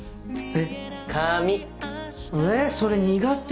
えぇそれ苦手。